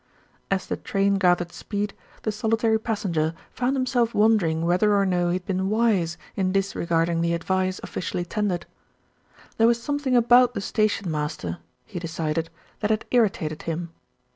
As the train gathered speed, the solitary passenger found himself wondering whether or no he had been wise in disregarding the advice officially tendered. There was something about the station master, he de cided, that had irritated him.